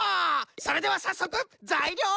それではさっそくざいりょうえらびじゃ！